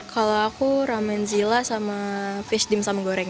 kalau aku ramen zila sama fish dimsum goreng